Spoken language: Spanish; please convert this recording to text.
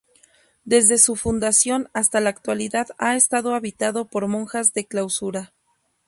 Desde su fundación hasta la actualidad ha estado habitado por monjas de clausura.